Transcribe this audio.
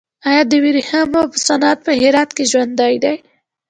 آیا د ورېښمو صنعت په هرات کې ژوندی دی؟